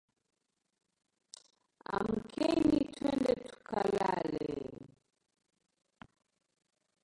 Amkeni twende tukalale